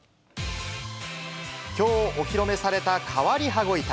きょうお披露目された変わり羽子板。